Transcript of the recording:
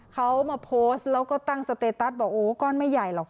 เขามาโพสต์แล้วก็ตั้งสเตตัสบอกโอ้ก้อนไม่ใหญ่หรอก